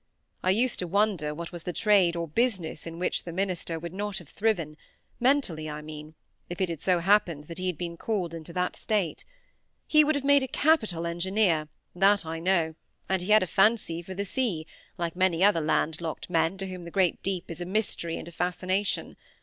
I used to wonder what was the trade or business in which the minister would not have thriven, mentally I mean, if it had so happened that he had been called into that state. He would have made a capital engineer, that I know; and he had a fancy for the sea, like many other land locked men to whom the great deep is a mystery and a fascination.